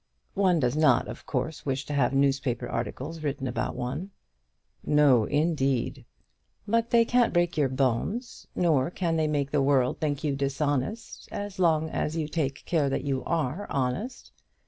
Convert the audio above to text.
One does not, of course, wish to have newspaper articles written about one." "No, indeed." "But they can't break your bones, nor can they make the world think you dishonest, as long as you take care that you are honest.